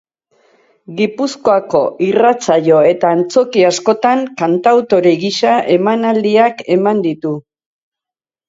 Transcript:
Gipuzkoako irratsaio eta antzoki askotan kantautore gisa emanaldiak eman ditu.